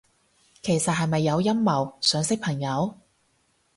其實係咪有陰謀，想識朋友？